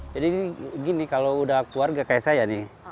jadi gini kalau udah keluarga kayak saya nih